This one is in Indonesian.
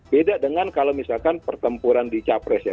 beda dengan kalau misalkan pertempuran di capres ya